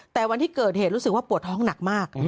แต่วันที่เกิดเหตุรู้สึกว่าปวดท้องหนักมาก